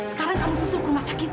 sekarang kamu susul ke rumah sakit